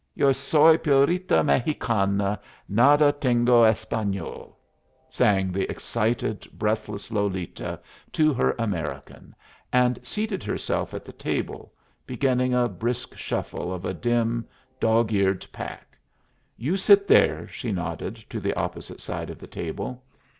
"'Yo soy purita mejicana; Nada tengo español,'" sang the excited, breathless Lolita to her American, and seated herself at the table, beginning a brisk shuffle of a dim, dog eared pack. "You sit there!" She nodded to the opposite side of the table.